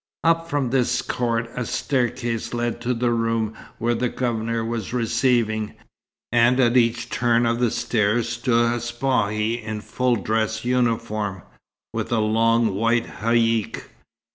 Up from this court a staircase led to the room where the Governor was receiving, and at each turn of the stairs stood a Spahi in full dress uniform, with a long white haïck.